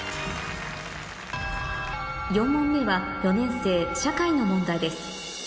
４問目は４年生社会の問題です